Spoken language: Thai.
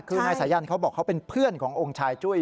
คือนายสายันเขาบอกเขาเป็นเพื่อนขององค์ชายจุ้ย